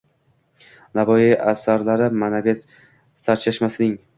Navoiy asarlari ma’naviyat sarchashmasing